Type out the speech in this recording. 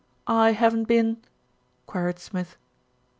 "I haven't been?" queried Smith.